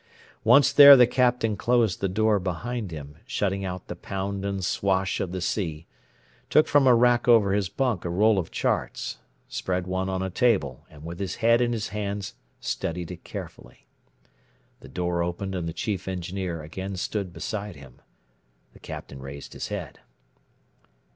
Once there the Captain closed the door behind him, shutting out the pound and swash of the sea; took from a rack over his bunk a roll of charts, spread one on a table and with his head in his hands studied it carefully. The door opened and the Chief Engineer again stood beside him. The Captain raised his head.